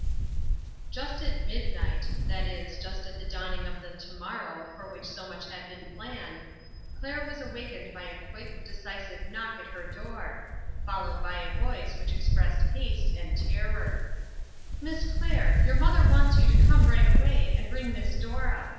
JUST at midnight that is, just at the dawning of the " to morrow " for which so much had been planned Claire was awakened b\ r a quick, decisive knock at her door, followed by a voice which expressed haste and terror :" Miss Claire, your mother wants you to come right away, and bring Miss Dora.